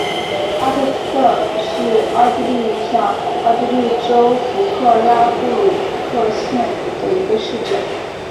阿特塞是奥地利上奥地利州弗克拉布鲁克县的一个市镇。